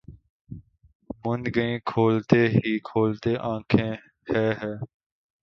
مُند گئیں کھولتے ہی کھولتے آنکھیں ہَے ہَے!